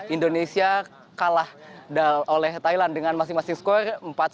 indonesia kalah oleh thailand dengan masing masing skor empat satu